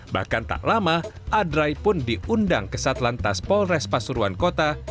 bahkan tak lama adrai pun diundang ke satlantas polres pasuruan kota